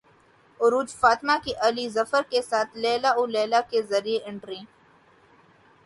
عروج فاطمہ کی علی ظفر کے ساتھ لیلی او لیلی کے ذریعے انٹری